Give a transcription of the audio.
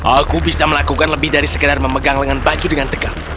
aku bisa melakukan lebih dari sekedar memegang lengan baju dengan tegap